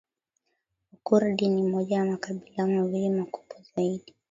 Wakurdi ni moja ya makabila mawili makubwa zaidi